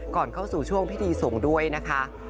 ก่อนเข้าสู่ช่วงพิธีสงฆ์ด้วยนะคะ